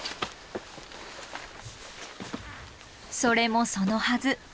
それもそのはず。